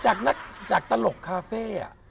จากนักจากตลกคาเฟ่อ่ะ